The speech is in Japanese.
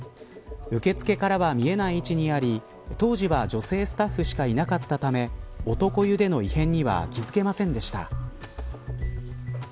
受付からは見えない位置にあり当時は女性スタッフしかいなかったため男湯での異変には気付けませんでした。